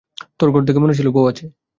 তোর ঘর দেখে মনে হচ্ছিল বৌ আছে।